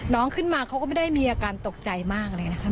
น้องขึ้นมาเขาก็ไม่ได้มีอาการตกใจมากเลยนะคะ